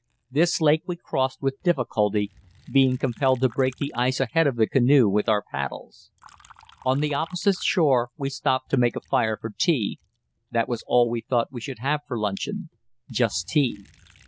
This lake we crossed with difficulty, being compelled to break the ice ahead of the canoe with our paddles. On the opposite shore we stopped to make a fire for tea that was all we thought we should have for luncheon; just tea.